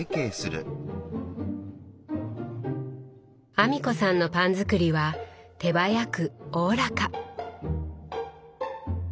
阿美子さんのパン作りは手早くおおらか。